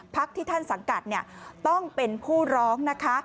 พักที่ท่านสังกัดต้องเป็นผู้ร้องนะคะ